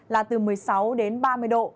là từ một mươi sáu đến ba mươi độ